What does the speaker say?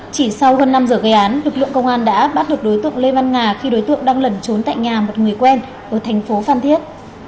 chỉ sau hơn năm giờ gây án lực lượng công an đã bắt được đối tượng lê văn nga khi đối tượng đang lẩn trốn tại nhà một người quen ở thành phố phan thiết